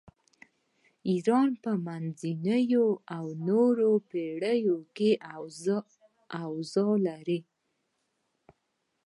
ایران په منځنیو او نویو پیړیو کې اوضاع لري.